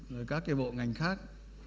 rồi các cái bộ ngành khác